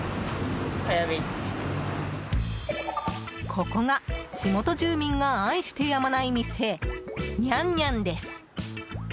ここが地元住民が愛してやまない店、娘娘です。